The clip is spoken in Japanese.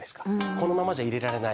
このままじゃ入れられない。